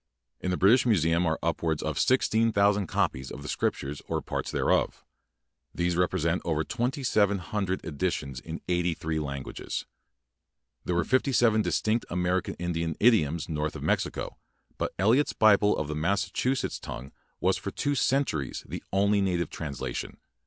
In the British Museum are upwards of 16,000 copies of the Scriptures or parts thereof. These represent over 2,700 editions in eighty three languages. There were fifty seven distinct American Indian idioms north of Mexico; but Eliot's Bible in the Massachuset tongue was for two centuries the only native translation.